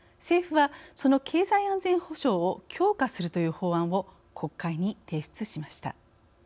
政府はその経済安全保障を強化するという法案を国会に提出しました。